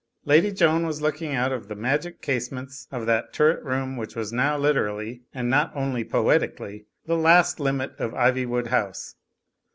Lady Joan was looking out of the magic casements of that turret room which was now literally, and not only poetically, the last limit of Ivywood House.